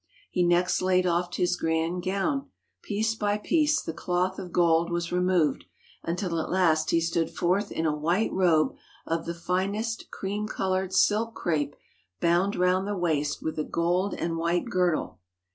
He next laid off his grand gown; piece by piece the cloth of gold was removed, until at last he stood forth in a white robe of the finest cream coloured silk crepe bound round the waist with a gold and white girdle.